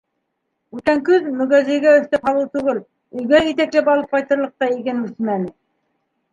Үткән көҙ мөгәзәйгә өҫтәп һалыу түгел, өйгә итәкләп алып ҡайтырлыҡ та иген үҫмәне.